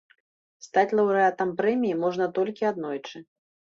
Стаць лаўрэатам прэміі можна толькі аднойчы.